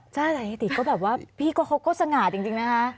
จ้ะแต่อาทิตย์ก็แบบว่าพี่เขาก็สงาดจริงนะฮะ